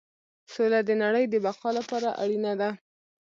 سوله د نړۍ د بقا لپاره اړینه ده.